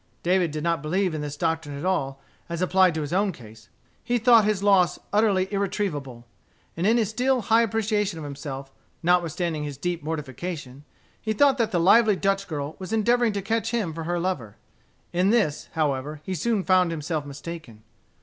David did not believe in this doctrine at all, as applied to his own case, He thought his loss utterly irretrievable. And in his still high appreciation of himself, notwithstanding his deep mortification, he thought that the lively Dutch girl was endeavoring to catch him for her lover. In this, however, he soon found himself mistaken.